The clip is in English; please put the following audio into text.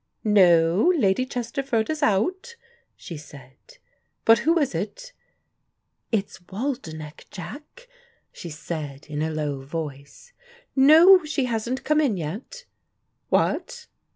"No, Lady Chesterford is out," she said. "But who is it? It's Waldenech, Jack," she said in a low voice. "No, she hasn't come in yet. What?